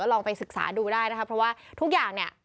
ลองไปศึกษาดูได้นะคะเพราะว่าทุกอย่างเนี่ย